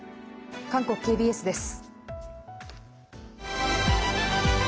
韓国ＫＢＳです。